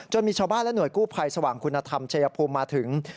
มีชาวบ้านและหน่วยกู้ภัยสว่างคุณธรรมชัยภูมิมาถึง